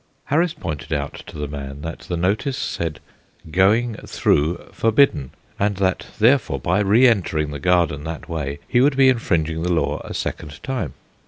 Harris pointed out to the man that the notice said "going through forbidden," and that, therefore, by re entering the garden that way he would be infringing the law a second time.